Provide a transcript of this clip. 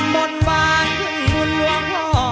บนบ้านขึ้นหมุนหลวงห่อ